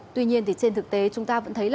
tuy nhiên trên thực tế chúng ta vẫn thấy